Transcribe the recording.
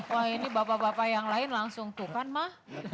wah ini bapak bapak yang lain langsung tuh kan mah